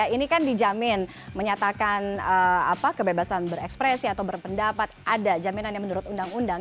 ini kan dijamin menyatakan kebebasan berekspresi atau berpendapat ada jaminannya menurut undang undang